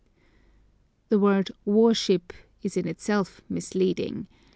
The word worship is in itself misleading.